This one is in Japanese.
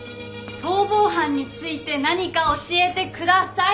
逃亡犯について何か教えて下さい！